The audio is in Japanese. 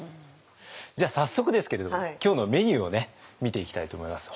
じゃあ早速ですけれども今日のメニューを見ていきたいと思います。